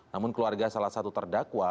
namun keluarga salah satu terdakwa